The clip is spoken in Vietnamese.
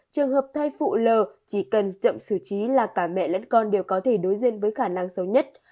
trường hợp thai phụ lờ chỉ cần chậm xử trí là cả mẹ lẫn con đều có thể đối diện với khả năng xấu nhất